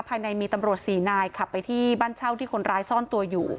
ภายในมีตำรวจ๔นายขับไปที่บ้านเช่าที่คนร้ายซ่อนตัวอยู่